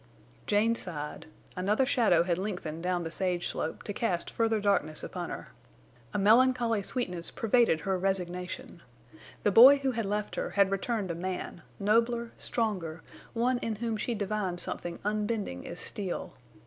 Jane sighed. Another shadow had lengthened down the sage slope to cast further darkness upon her. A melancholy sweetness pervaded her resignation. The boy who had left her had returned a man, nobler, stronger, one in whom she divined something unbending as steel.